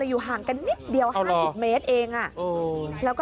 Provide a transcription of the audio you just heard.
เลยอยู่ห่างกันนิดเดียวห้าสิบเมตรเองอ่ะโอ้โห